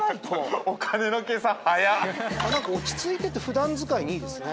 なんか落ち着いてて普段使いにいいですね。